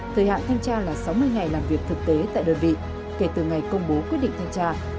thời hạn thanh tra là sáu mươi ngày làm việc thực tế tại đơn vị kể từ ngày công bố quyết định thanh tra